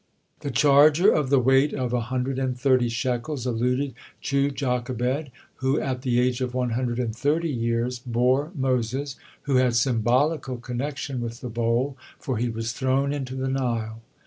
The charger of the weight of a hundred and thirty shekels alluded to Jochebed, who at the age of one hundred and thirty years bore Moses, who had symbolical connection with the bowl, for he was thrown into the Nile.